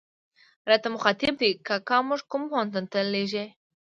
راته مخاطب دي، کاکا موږ کوم پوهنتون ته لېږې.